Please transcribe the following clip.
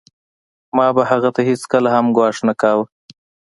ما به هغه ته هېڅکله هم ګواښ نه کاوه